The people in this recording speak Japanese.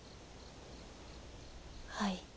はい。